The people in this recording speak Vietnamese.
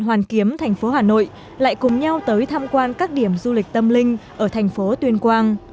hoàn kiếm thành phố hà nội lại cùng nhau tới tham quan các điểm du lịch tâm linh ở thành phố tuyên quang